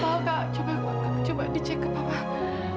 pak pak kak coba coba dicek pak pak